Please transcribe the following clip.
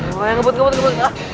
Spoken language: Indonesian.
oke ngebut ngebut ah